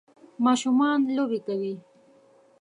ماشومان لوبې کوي